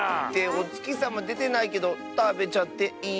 おつきさまでてないけどたべちゃっていいのかなあ。